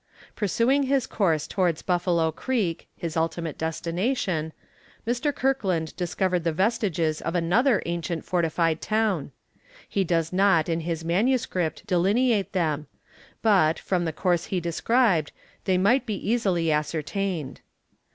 Pursuing his course towards Buffalo Creek, (his ultimate destination,) Mr. Kirkland discovered the vestiges of another ancient fortified town. He does not in his manuscript delineate them, but, from the course he described, they might be easily ascertained.